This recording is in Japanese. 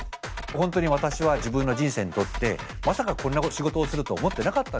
本当に私は自分の人生にとってまさかこんな仕事をすると思ってなかったんですね。